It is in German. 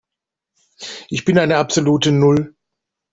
Ich bin eine absolute Null.